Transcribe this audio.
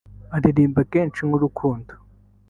aririmba kenshi k’urukundo